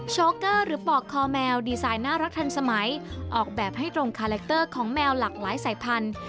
โกเกอร์หรือปอกคอแมวดีไซน์น่ารักทันสมัยออกแบบให้ตรงคาแรคเตอร์ของแมวหลากหลายสายพันธุ